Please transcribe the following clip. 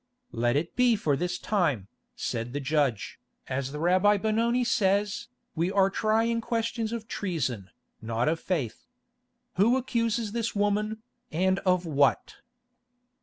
"Let it be for this time," said the judge, "as the Rabbi Benoni says, we are trying questions of treason, not of faith. Who accuses this woman, and of what?"